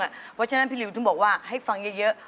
เพราะฉะนั้นพี่ริวถึงบอกว่าให้ฟังเยอะ